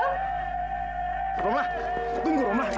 romlah tunggu romlah